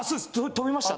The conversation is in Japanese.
飛びました。